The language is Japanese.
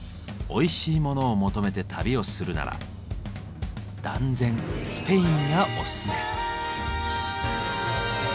おいしいモノを求めて旅をするなら断然スペインがオススメ。